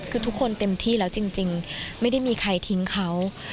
คือทุกคนเต็มที่แล้วจริงไม่ได้มีใครทิ้งเขา